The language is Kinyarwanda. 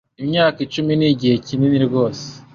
Imyaka icumi nigihe kinini rwose.